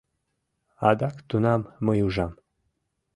Адак тунам мый ужам